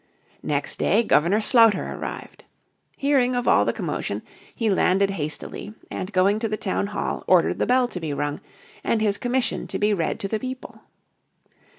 Next day Governor Sloughter arrived. Hearing of all the commotion he landed hastily, and going to the town hall ordered the bell to be rung, and his commission to be read to the people.